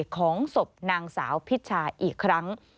ของศพนางสาวพิชชาอีกครั้ง